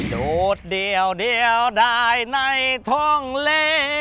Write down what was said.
ดูดเดียวเดียวได้ในท่องเล